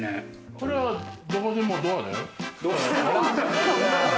これは、どこでもドアだよ。